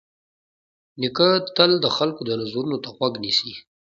نیکه تل د خلکو د نظرونو ته غوږ نیسي.